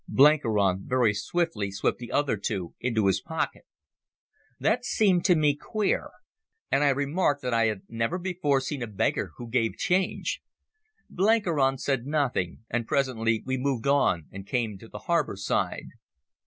Blenkiron very swiftly swept the other two into his pocket. That seemed to me queer, and I remarked that I had never before seen a beggar who gave change. Blenkiron said nothing, and presently we moved on and came to the harbour side.